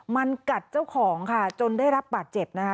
มันกัดเจ้าของค่ะจนได้รับบาดเจ็บนะคะ